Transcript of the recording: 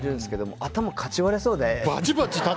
頭かち割れそうで。